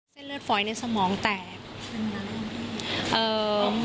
เส้นเลือดฝอยในสมองแตก